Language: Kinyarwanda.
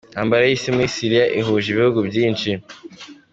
Intambara y’Isi muri Syria ihuje ibihugu byinshi.